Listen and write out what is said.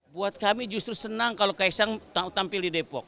buat kami justru senang kalau kaisang tampil di depok